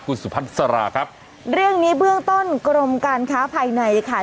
คุณสุพัสราครับเรื่องนี้เบื้องต้นกรมการค้าภายในค่ะ